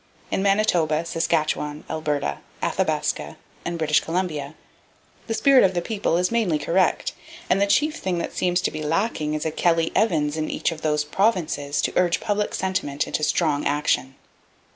In Manitoba, Saskatchewan, Alberta, Athabasca and British Columbia, the spirit of the people is mainly correct, and the chief thing that seems to be lacking is a Kelly Evans in each of those provinces to urge public sentiment into strong action.